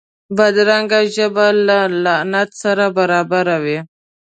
بدرنګه ژبه له لعنت سره برابره وي